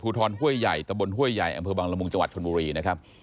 ทรห้วยใหญ่ตะบนห้วยใหญ่อำเภอบังละมุงจังหวัดชนบุรีนะครับ